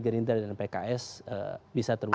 gerindra dan pks bisa terbuka